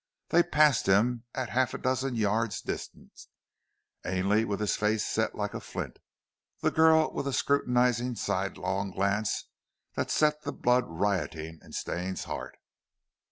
They passed him at half a dozen yards distance, Ainley with his face set like a flint, the girl with a scrutinizing sidelong glance that set the blood rioting in Stane's heart.